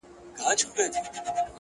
چي جانان وي قاسم یاره او صهبا وي،